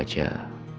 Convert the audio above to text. ya semoga aja